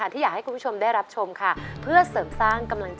ไทยรออยู่ค่ะ